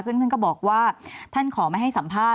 ซึ่งท่านก็บอกว่าท่านขอไม่ให้สัมภาษ